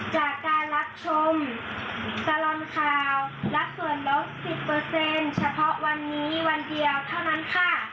จากการรับชมกรรมข่าวลักษณะละสิบเปอร์เซ็นต์เฉพาะวันนี้วันเดียวเท่านั้นค่ะ